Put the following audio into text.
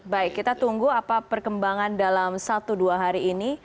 baik kita tunggu apa perkembangan dalam satu dua hari ini